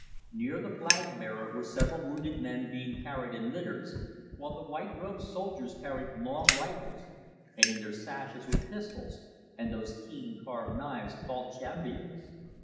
Near the flag bearer were several wounded men being carried in litters, while the white robed soldiers carried long rifles and in their sashes were pistols, and those keen carved knives called jambiyahs.